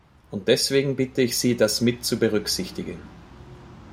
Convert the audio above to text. Und deswegen bitte ich Sie, das mit zu berücksichtigen.